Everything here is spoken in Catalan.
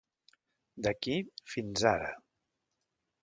D'aquí, fins ara.